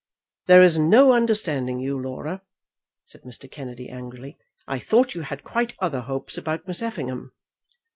"There is no understanding you, Laura," said Mr. Kennedy, angrily. "I thought you had quite other hopes about Miss Effingham."